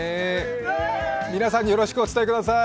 皆さんによろしくお伝えください。